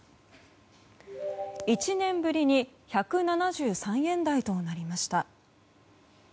１年ぶりに１７３円台となりました。